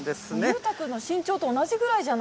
裕太君の身長と同じくらいじ